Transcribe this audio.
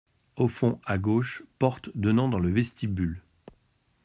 Au fond, à gauche, porte donnant dans le vestibule.